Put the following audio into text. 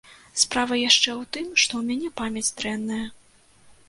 Справа яшчэ ў тым, што ў мяне памяць дрэнная.